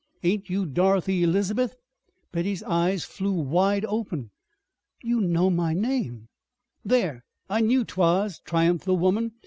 Ain't you Dorothy Elizabeth?" Betty's eyes flew wide open. "You know my name?" "There! I knew 'twas," triumphed the woman.